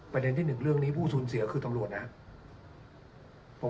ประเด็นที่๑เรื่องนี้ผู้สูญเสียคือตำรวจนะครับ